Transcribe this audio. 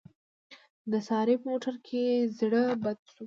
د سارې په موټر کې زړه بد شو.